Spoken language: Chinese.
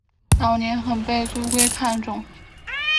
早年很被朱圭看重。